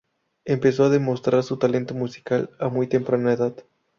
Empezó a demostrar su talento musical a muy temprana edad.